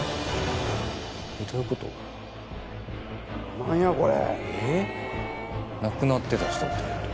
何やこれ。